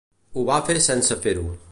Ho va fer sense fer-ho.